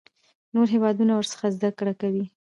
نور هیوادونه ورڅخه زده کړه کوي.